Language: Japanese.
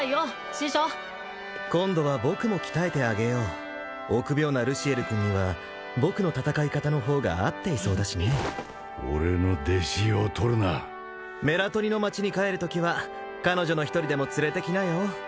師匠今度は僕も鍛えてあげよう臆病なルシエル君には僕の戦い方の方が合っていそうだしね俺の弟子を取るなメラトニの街に帰るときは彼女の一人でも連れて来なよ